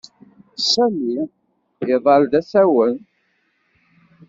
Sami iḍall d asawen.